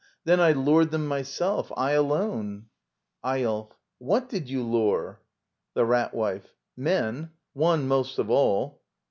Then I lured them myself. I alone! Eyolf. fFhat did you lure? The Rat Wife. Men. One most of all.